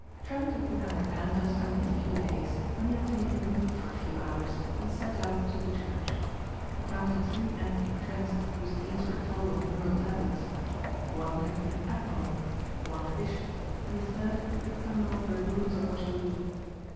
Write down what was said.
Trent had been under canvas only a few days when he obtained leave for a few hours and set out to the church. He counted three Anthony Trents whose deeds were told on mural tablets. One had been an admiral; one a bishop and the third a colonel of Dragoons at Waterloo.